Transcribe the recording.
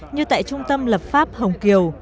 như tại trung tâm lập pháp hồng kiều